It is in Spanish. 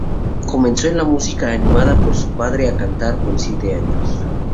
Comenzó en la música animada por su padre a cantar con siete años.